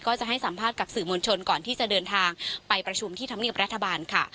จะให้สัมภาษณ์กับสื่อมวลชนก่อนที่จะเดินทางไปประชุมที่ธรรมเนียบรัฐบาลค่ะ